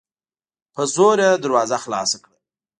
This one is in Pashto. په زور یې دروازه خلاصه کړه